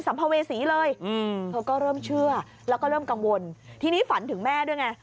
ภเวษีเลยอืมเธอก็เริ่มเชื่อแล้วก็เริ่มกังวลทีนี้ฝันถึงแม่ด้วยไง